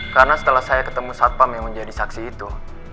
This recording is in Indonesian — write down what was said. karena setelah saya ketemu satpam yang menjadi saksi itu